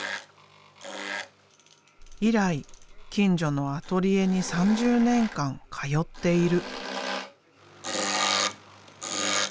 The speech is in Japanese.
以来近所のアトリエに３０年間通っている。